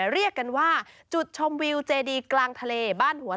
เรียกกันว่าจุดชมวิวเจดีกลางทะเลบ้านหัว